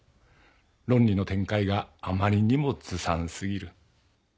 論理の展開があまりにもずさんすぎる。